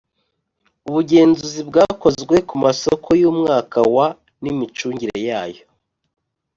Ubugenzuzi bwakozwe ku masoko y umwaka wa n imicungire yayo